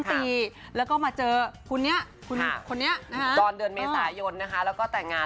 ก็คอมเจอตอนเดือนเมษายนแล้วแต่งงาน